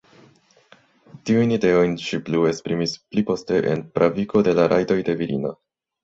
Tiujn ideojn ŝi plu esprimis pliposte en "Pravigo de la Rajtoj de Virino".